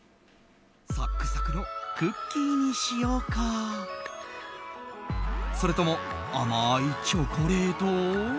サックサクのクッキーにしようかそれとも甘いチョコレート？